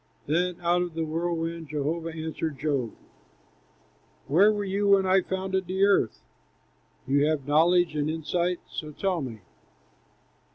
Then out of the whirlwind Jehovah answered Job: "Where were you when I founded the earth? You have knowledge and insight, so tell me.